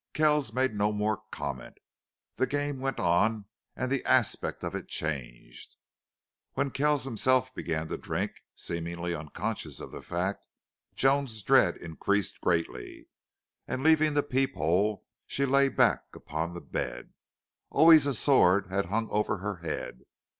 Kells made no more comment. The game went on and the aspect of it changed. When Kells himself began to drink, seemingly unconscious of the fact, Joan's dread increased greatly, and, leaving the peep hole, she lay back upon the bed. Always a sword had hung over her head.